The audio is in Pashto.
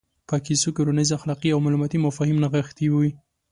په کیسو کې روزنیز اخلاقي او معلوماتي مفاهیم نغښتي وي.